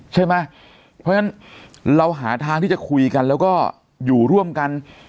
ใช่ไหมเพราะฉะนั้นเราหาทางที่จะคุยกันแล้วก็อยู่ร่วมกัน